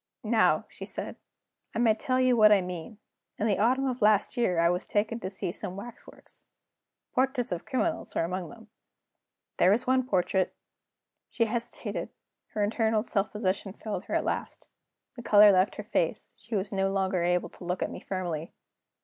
"Now," she said, "I may tell you what I mean. In the autumn of last year I was taken to see some waxworks. Portraits of criminals were among them. There was one portrait " She hesitated; her infernal self possession failed her at last. The color left her face; she was no longer able to look at me firmly.